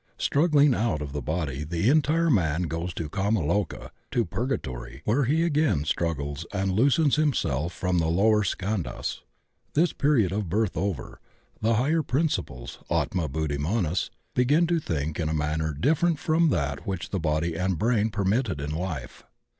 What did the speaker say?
Struggling out of the body the entire man goes into kama loka, to purgatory, where he again struggles and loosens himself from the lower skandhas; this period of birth over, the higher prin ciples, Atma Buddhi'Manas, begin to think in a manner different from that which the body and brain permitted in life.